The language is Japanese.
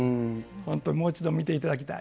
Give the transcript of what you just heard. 本当、もう一度見ていただきたい。